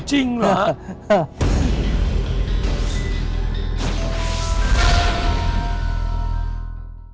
จริงเหรอ